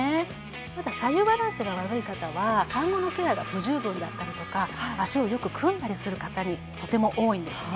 あとは左右バランスが悪い方は産後のケアが不十分だったりとか足をよく組んだりする方にとても多いんですね。